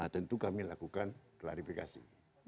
tentu kami lakukan klarifikasi